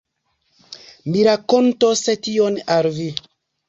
Mi rakontos tion al vi.